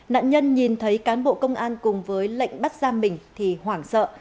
nạn nhân nhìn thấy cán bộ công an cùng với lệnh bắt giam mình thì hoảng sợ